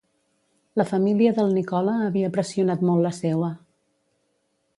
La família del Nicola havia pressionat molt la seua.